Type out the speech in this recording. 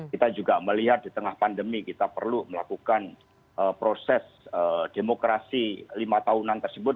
kita juga melihat di tengah pandemi kita perlu melakukan proses demokrasi lima tahunan tersebut